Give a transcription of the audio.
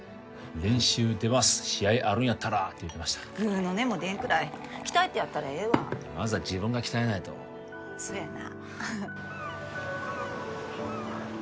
練習出ます試合あるんやったらって言ってましたぐうの音も出んくらい鍛えてやったらええわまずは自分が鍛えないとそやな・